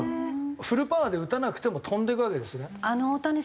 フルパワーで打たなくても飛んでいくわけですね。